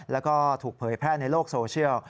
แล้วก็ถูกเผยแพร่ในโลกโซเชียล